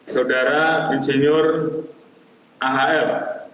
saudara ingeniur ahl